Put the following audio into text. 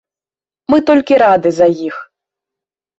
Мы толькі рады за іх.